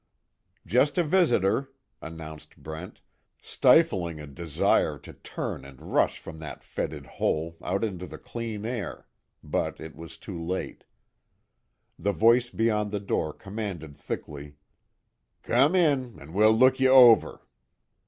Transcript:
"Just a visitor," announced Brent, stifling a desire to turn and rush from that fetid hole out into the clean air but it was too late. The voice beyond the door commanded thickly: "Come in, an' we'll look ye over!"